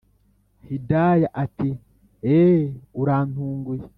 hidaya ati”eehhh urantunguye